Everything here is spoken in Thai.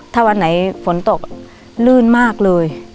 ถ้าวันไหนฝนตกลื่นมากเลย